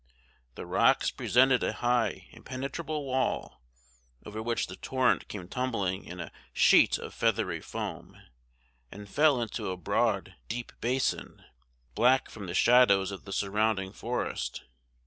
The rocks presented a high impenetrable wall, over which the torrent came tumbling in a sheet of feathery foam, and fell into a broad deep basin, black from the shadows of the surrounding forest.